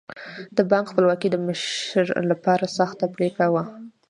د بانک خپلواکي د مشر لپاره سخته پرېکړه وه.